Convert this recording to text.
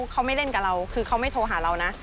เขาไม่เล่นกับเราคือเขาไม่โทรหาเรานะ